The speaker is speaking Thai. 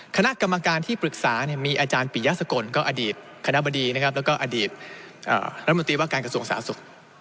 คณะกรรมการที่ปรึกษามีอาจารย์ปิยสกลก็อดีตคณะบดีนะครับแล้วก็อดีตรัฐมนตรีว่าการกระทรวงสาธารณสุข